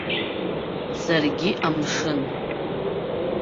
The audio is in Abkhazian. Саргьы амшын.